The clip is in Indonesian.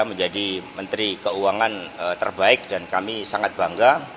menjadi menteri keuangan terbaik dan kami sangat bangga